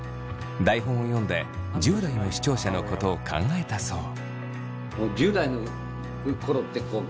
台本を読んで１０代の視聴者のことを考えたそう。